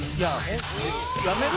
やめる？